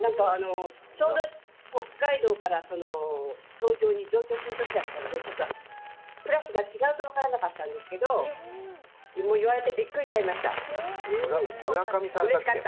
ちょうど北海道から東京に上京するときだったんで、ちょっとクラスが違うと分からなかったんですけど、言われてびっくりしちゃいました。